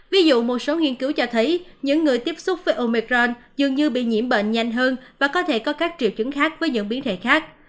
ví dụ một số nghiên cứu cho thấy những người tiếp xúc với omercron dường như bị nhiễm bệnh nhanh hơn và có thể có các triệu chứng khác với những biến thể khác